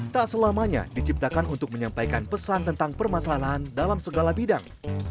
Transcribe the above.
tak selamanya diciptakan untuk menyampaikan pesan tentang permasalahan dalam segala bidang